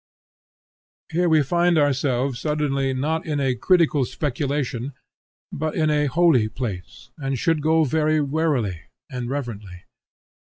Here we find ourselves suddenly not in a critical speculation but in a holy place, and should go very warily and reverently.